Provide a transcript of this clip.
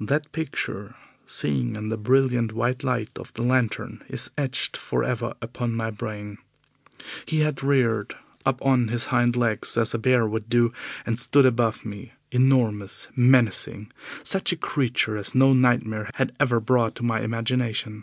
That picture, seen in the brilliant white light of the lantern, is etched for ever upon my brain. He had reared up on his hind legs as a bear would do, and stood above me, enormous, menacing such a creature as no nightmare had ever brought to my imagination.